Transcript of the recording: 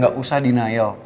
gak usah denial